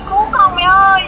cứu con mẹ ơi